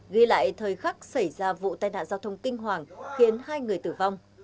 ghi lại thời khắc xảy ra vụ tai nạn giao thông kinh hoàng khiến hai người tử vong